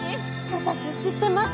私知ってます